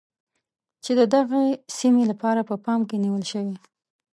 چې د دغې سیمې لپاره په پام کې نیول شوی.